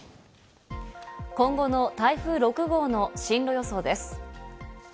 今後の台風６号の進路予想です。